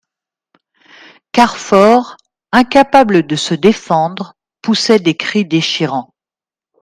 Carfor, incapable de se défendre, poussait des cris déchirants.